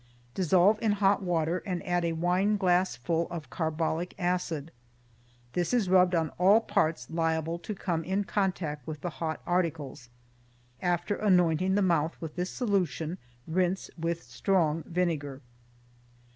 Dissolve in hot water and add a wine glassful of carbolic acid. This is rubbed on all parts liable to come in contact with the hot articles. After anointing the mouth with this solution rinse with strong vinegar.